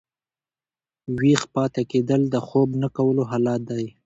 ویښ پاته کېدل د خوب نه کولو حالت دئ.